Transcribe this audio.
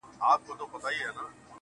اكثره وخت بيا پر دا بل مخ واوړي~